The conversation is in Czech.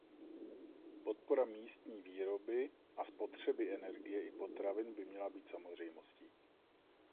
Podpora místní výroby a spotřeby energie i potravin by měla být samozřejmostí.